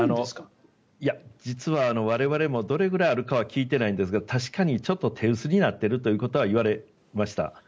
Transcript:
実は我々もどれくらいあるかは聞いていないんですが確かに手薄になっているということはいわれました。